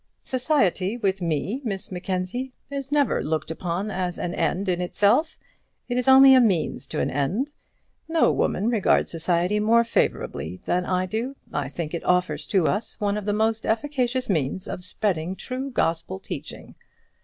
Society with me, Miss Mackenzie, is never looked upon as an end in itself. It is only a means to an end. No woman regards society more favourably than I do. I think it offers to us one of the most efficacious means of spreading true gospel teaching.